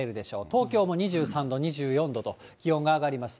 東京も２３度、２４度と、気温が上がります。